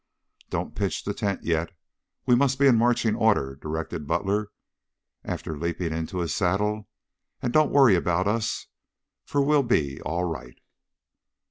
"Don't pitch the tent yet. We must be in marching order," directed Butler, after leaping into his saddle. "And don't worry about us, for we'll be all right."